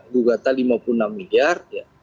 gugatan lima puluh enam miliar